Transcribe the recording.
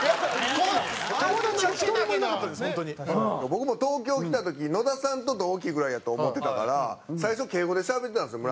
僕も東京来た時野田さんと同期ぐらいやと思ってたから最初敬語でしゃべってたんですよ